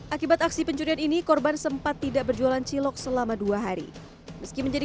akibat aksi pencurian ini korban sempat tidak berjualan cilok selama dua hari meski menjadi